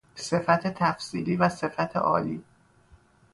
صفت تفضیلی و صفت عالی